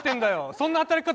そんな働き方